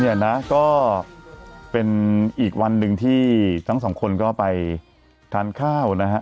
เนี่ยนะก็เป็นอีกวันหนึ่งที่ทั้งสองคนก็ไปทานข้าวนะฮะ